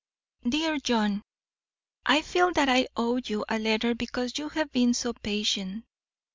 DEAR JOHN: I feel that I owe you a letter because you have been so patient.